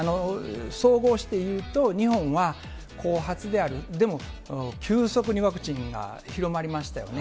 総合して言うと、日本は後発である、でも急速にワクチンが広まりましたよね。